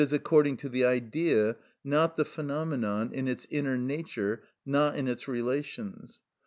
_, according to the Idea, not the phenomenon, in its inner nature, not in its relations.